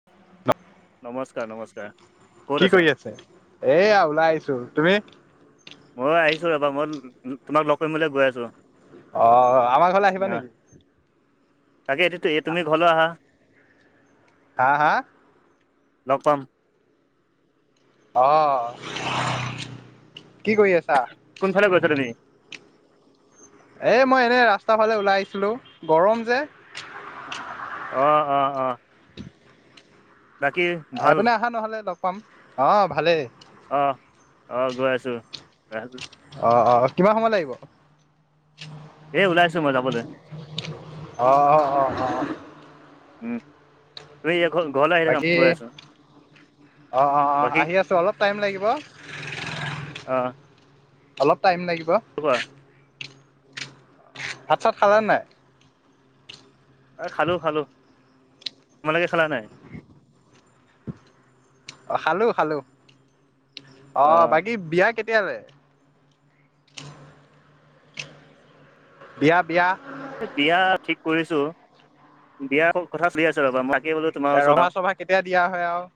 [unintelligible] নমস্কাৰ, নমস্কাৰ। ক'ত কি আছা কৰি আছে? এইয়া ওলাই আহিছোঁ৷ তুমি? মই আহিছো ৰবা, মই তো-তোমাক লগ কৰিবলৈ গৈ আছোঁ ৰ'। অহ, আমাৰ ঘৰলে আহিবা নেকি? তাকে এইটো-এইটো তুমি ঘৰলৈ আহা। হা! হা! লগ পাম। অহ, কি কৰি আছা? কোনফাল গৈছা তুমি? এই মই এনেই ৰাস্তাৰ ফালে ওলাই আহিছিলোঁ গৰম যে। অ', অ', অ'। বাকী ভাল এইফালে আহা নহ'লে লগ পাম। অহ, ভালেই। অহ। অহ, গৈ আছোঁ, দিয়া। অহ', অহ' কিমান সময় লাগিব? এই ওলাইছো মই যাবলে। অ-অ-অ-অ-অ। উম, তুমি ইয়ে ঘল-ঘৰলে আহিলে যাম, গৈ আছোঁ। অহ-অহ-অহ, আহি আছো অলপ টাইম লাগিব। অহ। অলপ টাইম লাগিব। কোৱা। ভাত-চাত খালানে নাই? এই খালোঁ খালোঁ। তোমালোকে খালানে নাই? অহ, খালোঁ খালোঁ। অহ, অঁ বাকী বিয়া কেতিয়ালে? বিয়া, বিয়া। বিয়া ঠিক কৰিছো। বিয়া ক-কথা চলি আছে ৰ'বা। বাকী বোলো তোমাৰ এ ওচৰত আহোঁ ৰভা-চভা কেতিয়া দিয়া হয় আৰু।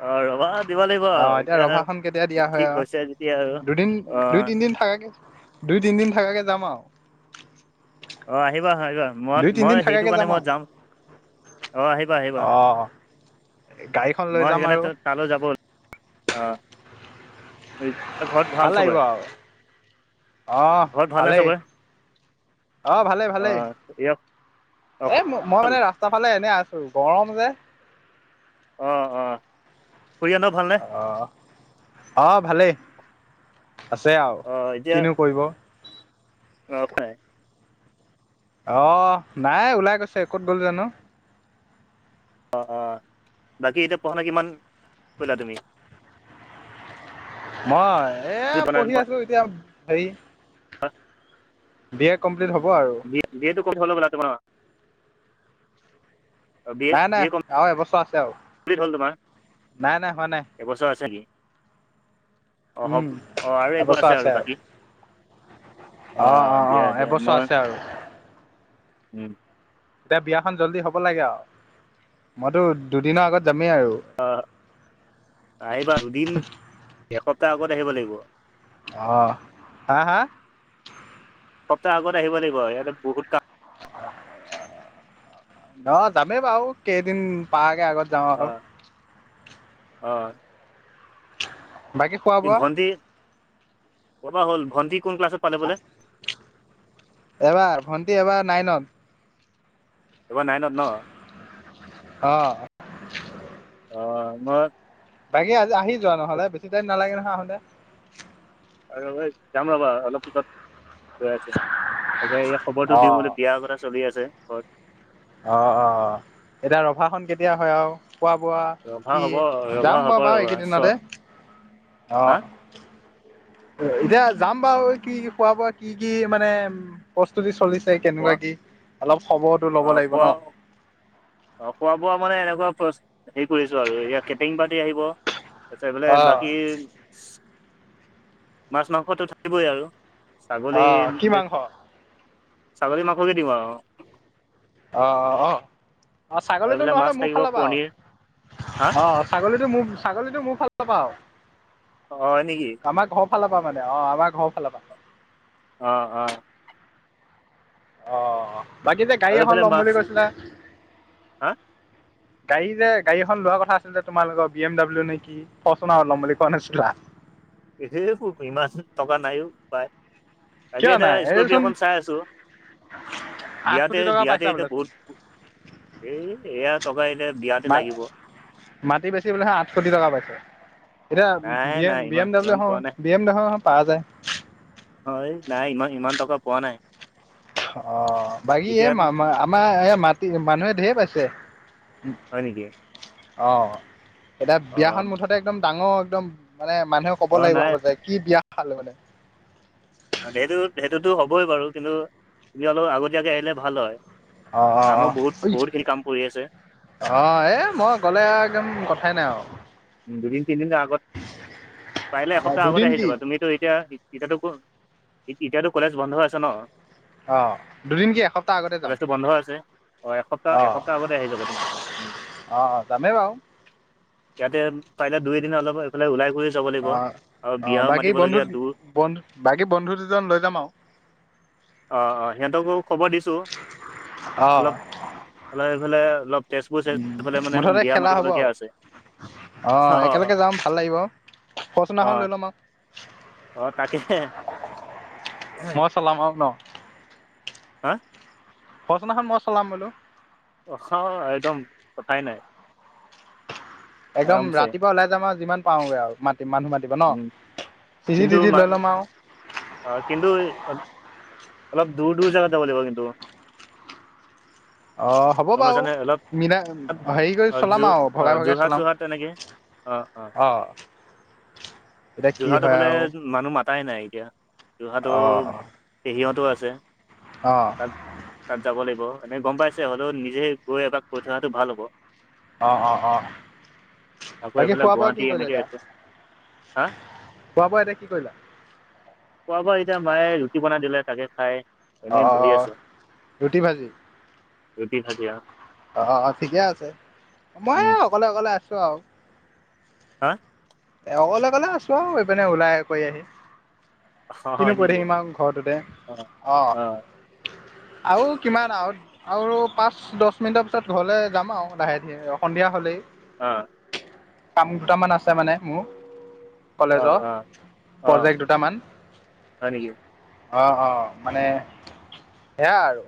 অহ, ৰভাত অহ, এতিয়া ৰভাখন কেতিয়া দিয়া হয় হৈছে যেতিয়া আৰু। দুদিন অঁ দুই তিনদিন থাকাকে। দুই তিনিদিন থাকাকে যাম আৰু। অহ, আহিবা আহিবা। দুই তিনদিন মই-মই সেইটো থাকাকে কাৰণে মই আৰু যাম। অহ, আহিবা আহিবা। অ' গাড়ীখন লৈ মই যাম আৰু সেইকাৰণেটো তালৈ যাব অহ। [unintelligible] ভাল লাগিব আৰু। অহ, ঘৰত ভালনে ভালেই। চবৰে অহ, অ ভালে-ভালেই। ইয়াক অ এ ম-মই মানে ৰাস্তাৰ ফালে এনেই আছোঁ, গৰম যে। অহ', অহ' খুৰাহাঁতৰ ভালনে? অহ। অহ, ভালেই, আছে আৰু অ কিনো কৰিব। অহ, পায়। অ' নাই ওলাই গৈছে ক'ত গ'ল জানু? অ' অ' বাকী এতিয়া পঢ়াশুনা কিমান কৰিলা তুমি? মই এ পঢ়ি আছো এতিয়া হেৰি। বি এ কমপ্লিট হ'ব আৰু। [unintelligible] বি এ নাই বি নাই এ আৰু এবছৰ আছে আৰু। কমপ্লিট হল তোমাৰ নাই নাই হোৱা নাই এবছৰ আছে [unintelligible] অ' উম হ'ব অ' আৰু [unintelligible] আছে আৰু বাকী। অ' দিয়া, দিয়া মই উম, এতিয়া বিয়াখন জল্দি হ'ব লাগে আৰু মইতো দুদিনৰ আগত যামেই আৰু। অ' আহিবা দুদিন এসপ্তাহ আগত আহিব লাগিব। অ', হা! হা! সপ্তাহ আগত আহিব লাগিব ইয়াতে বহুত কাম। [unintelligible] অ' যামেই বাৰু কেইদিন পাআঁগে আগত। যাওঁ আৰু অ' অ'। বাকী খোৱা এই বোৱা ভণ্টি, কবা হ'ল ভণ্টি কোন ক্লাছত পালে বোলে? এবাৰ ভণ্টি এইবাৰ নাইনত। এইবাৰ নাইনত ন? অ অ' [unintelligible] বাকি আজি আহি যোৱা নহলে বেছি তাইম নালাগে নহয় আহোতে। আৰু এ যাম ৰবা অলপ পিছত গৈ আছে ত এই খবৰটো অ দিওঁ বোলে বিয়া চলি আছে ঘৰত। অ' অ' এতিয়া ৰভাখন কেতিয়া হয় আৰু? খোৱা বোৱা ৰভা কি, হ'ব ৰভা যাম হ'ব মই বাৰু ৰ'বা চ এইকেইদিনতে হা অ'। এতিয়া যাম বাৰু কি কি খোৱা বোৱা কি কি মানে প্ৰস্তুতি চলিছে। কেনেকুৱা কি অলপ খবৰটো ল'ব অ' লাগিব ন খোৱা অ' খোৱা বোৱা মানে এনেকুৱা হে কৰিছো আৰু এ কেটেৰিং পাৰ্টি আহিব। তাৰপিছত ইফালে অ বাকী মাচ মাংসটো থাকিবই আৰু। ছাগলী অ' কি বে- মাংস ছাগলী মাংসকে দিওঁ আৰু। অ' অ' অ আৰু ছাগলীটো এইফালে নহলে মাছ মোৰ থাকিব ফালৰ পৰা আৰু, পনীৰ হা অ'। ছাগলীটো মোৰ- ছাগলীটো মোৰ ফালৰ পৰা পাওঁ। হয় নেকি? আমাৰ ঘৰ ফালৰ পৰা মানে, অ' আমাৰ ঘৰ ফালৰ পৰা। অ' অ'। অ' বাকী যে গাড়ী আৰু এখন এইফালে লম মাছ বুলি কৈছিলে? [unintelligible] গাড়ী যে গাড়ীখন লোৱা কথা আছিলে তোমালোকৰ বি এম ডাব্লউ নেকি? ফৰ্চোনা্ৰ লম বুলি কোৱা নাছিলা? [unintelligible] ইমান টকা নাই ঔ বোপায়। আজি কিয় এতিয়া নাই এইচোন স্কপিঅখন চাই আছো, আঠ বিয়াতে কোটি টকা বিয়াতে পাইছা এতিয়া বোলেচোন বহুত [unintelligible] এয়া টকা এতিয়া বিয়াতে মা লাগিব। মাটি বেছি বোলে আঠ কোটি টকা পাইছে। এতিয়া নাই বি এম নাই বি ইমান এম ডাব্লিউ ইমান পোৱা নাই বি এম এখন [unintelligible] হয়, নাই ইমান ইমান টকা পোৱা নাই। অঁ' বাকী এই এতিয়া মা মা আমাৰ এই মাটি মানুহে ধেৰ পাইছে। হয় নেকি? অঁ' এতিয়া অ বিয়াখন মুঠতে একদম ডাঙৰ একদম মানে মানুহে- ক'ব অ লাগিব নাই হ'ব যে কি বিয়া খালো মানে। সেইটো সেইটোতো হ'বই বাৰু কিন্তু তুমি অলপ আগতীয়াকে আহিলে ভাল হয়। অ', কামো বহুত বহুত খিনি কাম পৰি আছে। অঁ' এ মই গ'লে আও একদম কথাই নাই আও। উম দুদিন তিনিদিন আগত, পাৰিলে এসপ্তাহ আগতে দুদিন আহি কি যাবা। তুমিতো এতিয়া- এতিয়াতো ক এতিয়াতো কলেজ বন্ধ আছে ন? অঁ' দুদিন কি এসপ্তাহ আগতে যাম। কলেজটো বন্ধ আছে, অঁ' এসপ্তাহ অ', এসপ্তাহ আগতে আহি যাব তুমি উম। যামে বাৰু। ইয়াতে পাৰিলে দুই এদিন অলপ এইফালে ওলাই কৰি- যাব লাগিব অঁ আৰু অঁ' বিয়াও বাকী বন্ধু মাতিবলগীয়া দূৰ বন্ধু বাকী বন্ধু দুজন লৈ যাম আৰু। অঁ অঁ সিহঁতকো খবৰ দিছোঁ, অ'। অলপ অলপ এইফালে অলপ- তেজপুৰ উম, চাইডফালে মানে বিয়া মাতিবলগীয়া আছে। অ অঁ একেলগে যাম ভাল লাগিব। অ ফৰচোনাখন লৈ লম আও। ভাল। চলাম আৰু ন। হাঁ? ফৰ্চুনাখন মই চলাম বোলোঁ। অঁহ একদম কথায়ে নাই। একদম আৰামছে ৰাতিপুৱা ওলাই যাম আৰু যিমান পাওঁগৈ আৰু মাতি মানুহ মাত- তিব ন, উম বিজি দি দি লৈ ল'ম আও। অঁ কিন্তু এই অলপ দূৰ দূৰ জেগাত যাব লাগিব কিন্তু। [unintelligible] অঁ হ'ব গম বাৰু পাইছা নে অলপ মিলায় হেৰি কৰি অ চলাম আৰু ভগাই ভগাই চলাম। অঁ অঁ। এতিয়া কি যোৰহাটো হয় ফালে আৰু মানুহ মাতাই নাই এতিয়া, যোৰহাটো অঁ পেহীহঁতো আছে। অঁ' তাত তাত যাব লাগিব। এনেই গম পাইছে হ'লেও নিজে গৈ এবাৰ কৈ থৈ অহাটো ভাল হ'ব। অঁ অঁ অঁ আকৌ বাকী এইফালে খোৱা বোৱা গুৱাহাটী কি কৰিলে এনেকৈ এতিয়া? আছে হা খোৱা বোৱা এতিয়া কি কৰিলা? খোৱা বোৱা এতিয়া মায়ে ৰুটি বনাই দিলে তাকে খাই- এনেই বহি অ' আছোঁ ৰুটি ভাঁজি। ৰুটি ভাজি আৰু অঁ ঠিকে আছে, মই উম অকলে অকলে আছোঁ আৰু। হাঁ' অকলে অকলে আছোঁ আও এইপিনে ওলাই কৰি আহি। অঁ কিনো হয় কৰি নেকি থাকিম আৰু ঘৰটোতে, অঁ অঁ। আও কিমান আগত? আৰু পাঁচ দহ মিনিটৰ পিছত ঘৰলে যাম আৰু লাহে ধীৰে সন্ধিয়া হ'লেই। অঁ' কাম দুটামান আছে মানে মোৰ। কলেজ অঁ অঁ অঁ প্ৰজেক্ট দুটামান। হয় নেকি অ অ মানে সেয়া আৰু।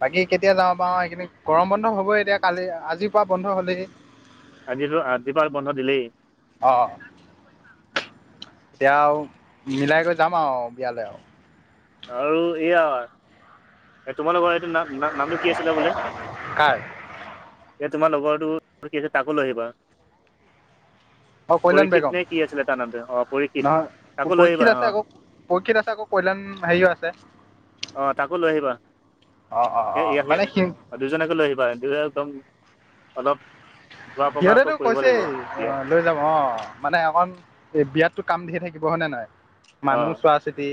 বাকী কেতিয়া যাব পাওঁ এইকেইদিন গৰম বন্ধ হ'বই এতিয়া কালি আজিৰ পৰা বন্ধ হ'লেই আজিতো আজি পৰা বন্ধ দিলেই। অ এতিয়া আও মিলাই গৈ যাম আও বিয়ালে আও। আৰু এয়া তোমালোকৰ এইটো নাম না নামটো কি আছিলে বোলে কাৰ এ তোমাৰ লগৰটো কি আছিল তাকো লৈ আহিবা। অঁ কল্যাণ বেগম পৰীক্ষিত নে কি আছিলে তাৰ নামটো অ পৰীক্ষিত নহয় তাকো লৈ পৰীক্ষিত আহিবা আছে অ। আকৌ পৰীক্ষিত আছে আকৌ কল্যাণ ভাইও আছে। অ তাকো লৈ আহিবা অঁ অঁ সে অঁ ইয়াতহে মানে সি অ দুইজনকে লৈ আহিবা তেতিয়াহে একদম অলপ ঘূৰা পকাকৈ সিহঁতেটো কৰিব কৈছেই লাগিব অ এতিয়া লৈ যাম অ মানে অকণ এই বিয়াতটো কাম ধেই থাকিব হয় নে নহয়। মানুহ অঁ চোৱা চিতি,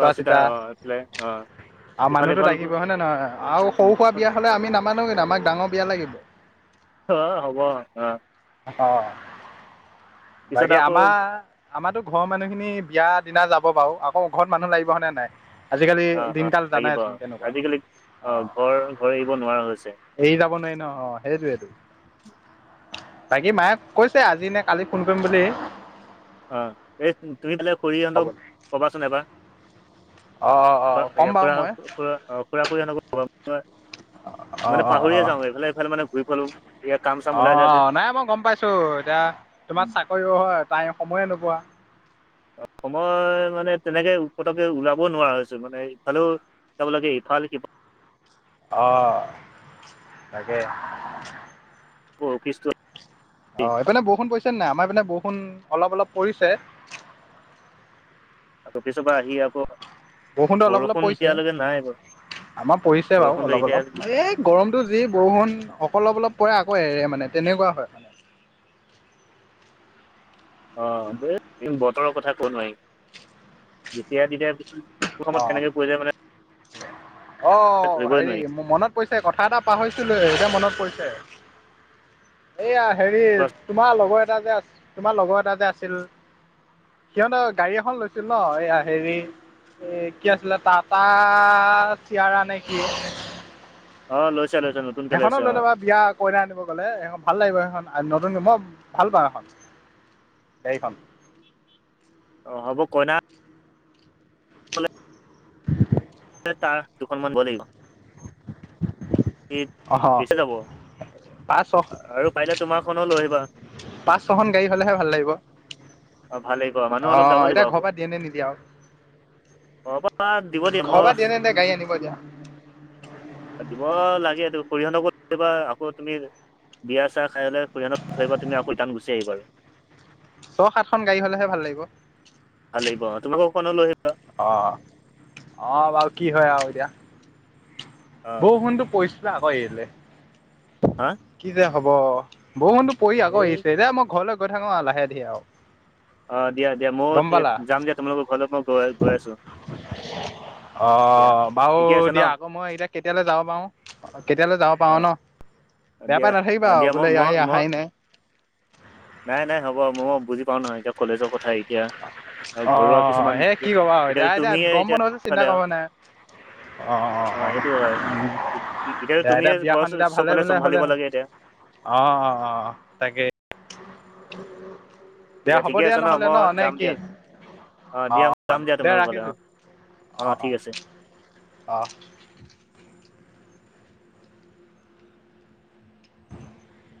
চোৱা চিতা অঁ এইফালে অঁ আৰু মানুহটো ইফাল লাগিব হয় নে নহয় আৰু সৰু সুৰা সিফাল বিয়া হ'লে আমি নামানোঁ কিন্তু আমাক ডাঙৰ বিয়া লাগিব। অ হ'ব অ অ পিছত বাকী আকৌ আমাৰ আমাৰতো ঘৰৰ মানুহখিনি বিয়া দিনা যাব বাৰু আকৌ ঘৰত মানুহ লাগিব হয়নে নাই আজিকালি অঁ অঁ দিনকাল লাগিব জানাইচোন কেনেকুৱা আজিকালি অঁ অ ঘৰ ঘৰ এৰিব নোৱাৰা হৈছে এৰি যাব নোৱাৰি ন অ সেইটোৱেটো বাকী মায়ে কৈছে আজি নে কালি ফোন কৰিম বুলি অ এই তুমি তেনে খুৰী হ'ব হঁতক দে কবাচোন এবাৰ অ খুড়া খুড়া অ খুড়া খুৰী হতকো কবা মানে অ' অ' অ' পাহৰিয়ে যাওঁ এইফালে সিফালে মানে ঘূৰি ফুৰা অ অ নাই মই গম পাইছো চো এতিয়া তোমাৰ চাকৰি হয় তাই সময়ো নোপোৱা সময় মানে তেনেকে পতকে ওলাবও নোৱাৰা হৈছো মানে ইফালেও যাব লাগে ইফালে সিফাল অ তাকে আকৌ অফিচো অ এইপিনে বৰষুণ পৰিছে নাই আমাৰ পিনে বৰষুণ অলপ অলপ পৰিছে অফিচৰ পৰা আহি আকৌ বৰষুণতো অলপ অলপ বৰষুণ পৰিছে এতিয়ালৈকে নাই বাৰু আমাৰ পৰিছে বাৰু বৰষুণটো অলপ এতিয়া অলপ এই গৰমটো এই বৰষুণ অলপ অলপ পৰে আকৌ এৰে মানে তেনেকুৱা হয় মানে অ এ বতৰৰ কথা কব নোৱাৰি যেতিয়া তেতিয়া অ সময়ত কেনেকে পৰি যায় মানে অ অ ধৰিবই হেৰি মোৰ মনত পৰিছে কথা এটা পাহৰিছিলো এতিয়া মনত পৰিছে এইয়া হেৰি নোৱাৰি তোমাৰ লগৰ এটা যে আ তোমাৰ লগৰ এটা এটা যে আছিল সিহঁতৰ গাড়ী এখন লৈছিল ন সেয়া হেৰি এ কি আছিলে টাটা চিয়াৰা নে কি অ লৈছে লৈছে নতুনকে সেইখনো লৈছে অ লৈ ল'বা বিয়া কইনা আনিব গলে এইখন ভাল লাগিব সেইখন নতুন মই ভাল পাওঁ এইখন গাড়ীখন অ হ'ব কইনা [unintelligible] এ ‌তাৰ দুখনমান নিব লাগিব এ! অ বেছি যাব পাঁচ আৰু পাৰিলে তোমাৰখনো লৈ আহিবা। পাচ, ছখন গাড়ী হ'লেহে ভাল লাগিব। অ ভাল লাগিব মানুহ অলপ যাব আ'হ লাগিব এতিয়া ঘৰ আকৌ পৰা দিয়ে নে নিদিয়ে আৰু? ঘৰৰ পৰা দিব দিয়া। মই দিয়েনে, নিদিয়ে গাড়ী আনিব এতিয়া? দিব লাগে। এইটো খুৰীহতৰ ঘৰত কেতিয়াবা আকৌ তুমি বিয়া, চিয়ি খাই লৈ খুৰীহতক থৈয় আহিবা। তুমি আকৌ ৰিতাৰ্ণ গুছি আহিবা আৰু। ছয়, সাতখন গাডী হ'লেহে ভাল লাগিব। ভাল লাগিব। তোমালোকৰ খনো লৈ আহিবা। অ, অ, বাৰু কি হয় আৰু এতিয়া? অ বৰষূণটো পৰিছিলে আকৌ এৰি দিলে। হা? কি যে হব বৰষুণটো পৰি আকৌ এই আহিছে দে মই ঘৰলৈ গৈ থাকো আৰু লাহে, ধিৰে আৰু। অ, দিয়া, দিয়া। মই গম পালা যাম দিয়া। তোমালোকৰ ঘৰত মই গৈ, গৈ আছো। অ, দিয়া বাৰু ঠিকে আছে ন দিয়া, আকৌ মই এইকিটা কেতিয়ালৈ যাব পাৰোঁ। কেতিয়ালৈ যাব পাৰোঁ ন। বেয়া দিয়া, পাই নাথাকিবা আৰু দিয়া মই, বোলে ইয়াৰ মই, মই অহাই নাই নাই, নাই হ'ব। মই বুজি পাওঁ নহয় এতিয়া কলেজৰ কথা এতিয়া আৰু অ, ঘৰুৱা কিছুমান সেই কি ক'বা আৰু এতিয়া এতিয়াতো দাই, দাই তুমিয়ে গম এতিয়া পোৱা হলেতো চিন্তা ফালে কৰিব নাই। অ, অ, অ, সেইটো হয় উম, এতিয়াতো দে, দে তুমিয়ে এতিয়া ঘৰ বিয়াখন এতিয়া ভাল ভালে, চবফালে ভালে চম্ভালিব হ'লেই হ'ল। লাগে এতিয়া অ, অ, অ তাকে। দিয়া হ'ব ঠিকে আছে ন নহ'লে মই নে যাম কি দিয়া। অ, দিয়া অ যাম দিয়া। দে তোমালোকৰ ঘৰলে অ,। ৰাখিছোঁ অ, ঠিক আছে। অ,। [unintelligible]